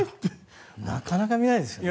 なかなか見ないですよね。